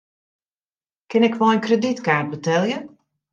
Kin ik mei in kredytkaart betelje?